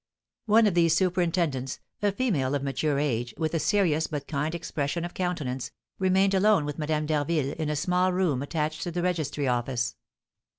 One of these superintendents, a female of mature age, with a serious but kind expression of countenance, remained alone with Madame d'Harville, in a small room attached to the registry office.